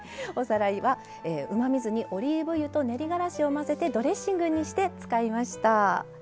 おさらいはうまみ酢にオリーブ油と練りがらしを混ぜてドレッシングにして使いました。